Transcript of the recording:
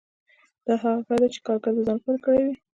دا هغه کار دی چې کارګر د ځان لپاره کړی وي